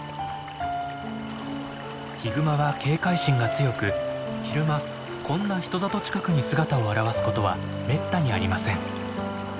ヒグマは警戒心が強く昼間こんな人里近くに姿を現すことはめったにありません。